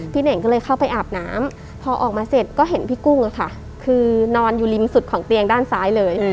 เน่งก็เลยเข้าไปอาบน้ำพอออกมาเสร็จก็เห็นพี่กุ้งคือนอนอยู่ริมสุดของเตียงด้านซ้ายเลย